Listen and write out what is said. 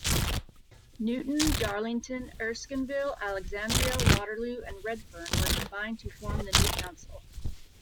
Newtown, Darlington, Erskineville, Alexandria, Waterloo and Redfern were combined to form the new council.